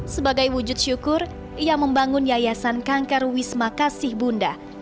sebagai wujud syukur ia membangun yayasan kanker wisma kasih bunda